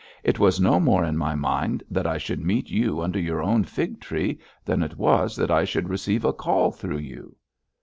'It was no more in my mind that I should meet you under your own fig tree than it was that I should receive a call through you!'